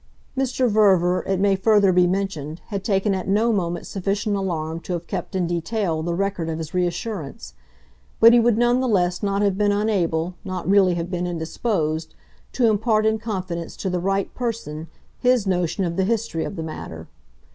Mr. Verver, it may further be mentioned, had taken at no moment sufficient alarm to have kept in detail the record of his reassurance; but he would none the less not have been unable, not really have been indisposed, to impart in confidence to the right person his notion of the history of the matter.